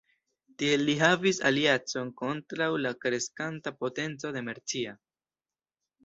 Tiel li havis aliancon kontraŭ la kreskanta potenco de Mercia.